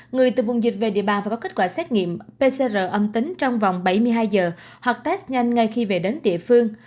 người từ vùng dịch về địa bàn và có kết quả xét nghiệm pcr âm tính trong vòng bảy mươi hai giờ hoặc test nhanh ngay khi về đến địa phương